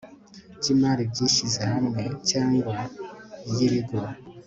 by imari byishyize hamwe cyangwa iy ibigo